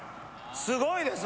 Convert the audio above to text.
すごいです